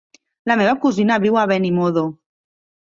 La meva cosina viu a Benimodo.